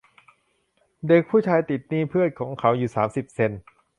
เด็กผู้ชายติดหนี้เพื่อนของเขาอยู่สามสิบเซ็นต์